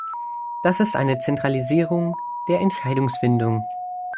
Das ist eine Zentralisierung der Entscheidungsfindung.